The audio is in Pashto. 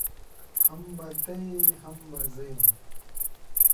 هم به ته يې هم به زه يم.